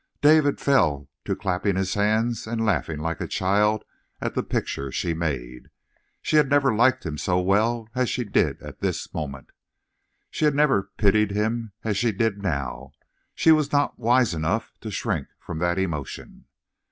David fell to clapping his hands and laughing like a child at the picture she made. She had never liked him so well as she did at this moment. She had never pitied him as she did now; she was not wise enough to shrink from that emotion.